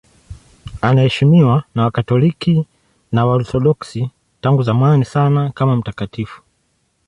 Anaheshimiwa na Wakatoliki na Waorthodoksi tangu zamani sana kama mtakatifu.